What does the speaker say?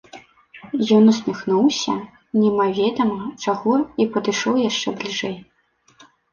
Ён усміхнуўся немаведама чаго і падышоў яшчэ бліжэй.